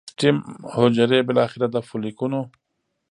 سټیم حجرې بالاخره د فولیکونو